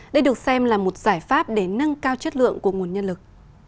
đây được xem là một giải pháp để nâng cao chất lượng của nguồn nhân lực